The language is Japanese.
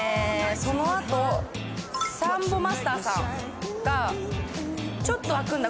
そのあとサンボマスターさんがちょっとあくんだ